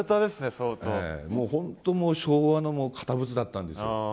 本当もう昭和の堅物だったんですよ。